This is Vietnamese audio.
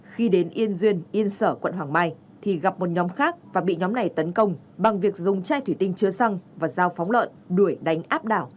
khi đến yên duyên yên sở quận hoàng mai thì gặp một nhóm khác và bị nhóm này tấn công bằng việc dùng chai thủy tinh chứa xăng và dao phóng lợn đuổi đánh áp đảo